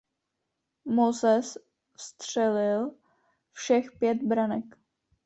Moses vstřelil všech pět branek.